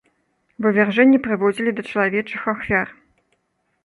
Вывяржэнні прыводзілі да чалавечых ахвяр.